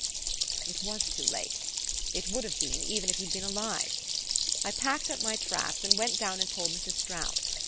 "It WAS too late it would have been, even if he'd been alive. I packed up my traps, and went down and told Mrs. Stroud.